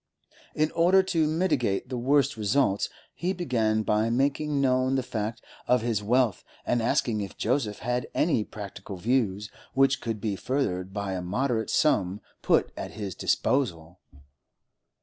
In order to mitigate the worst results, he began by making known the fact of his wealth and asking if Joseph had any practical views which could be furthered by a moderate sum put at his disposal.